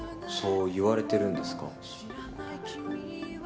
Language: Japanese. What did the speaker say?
そう言われているんですか？